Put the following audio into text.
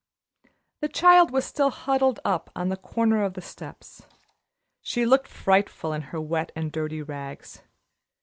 The child was still huddled up on the corner of the steps. She looked frightful in her wet and dirty rags.